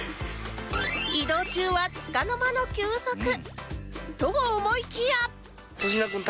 移動中はつかの間の休息と思いきや